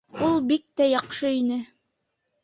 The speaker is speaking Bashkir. Ул бик тә яҡшы ине.